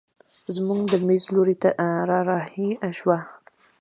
زموږ د مېز لور ته رارهي شوه.